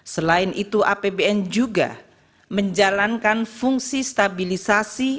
selain itu apbn juga menjalankan fungsi stabilisasi